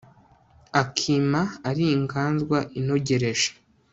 akima ari inganzwa inogereje